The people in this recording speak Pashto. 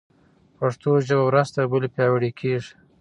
پښتو ژبه ورځ تر بلې پیاوړې کېږي.